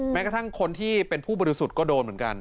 แม้กระทั่งคนที่เป็นผู้บริสุทธิ์ก็โดนเหมือนกัน